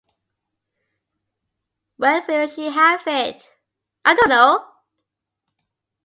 When will she have it?